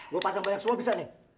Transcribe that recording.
gue pasang banyak semua bisa nih